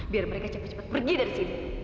biar mereka cepat cepat pergi dari sini